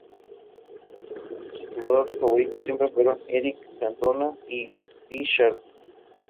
Sus jugadores favoritos siempre fueron Éric Cantona y Lee Sharpe.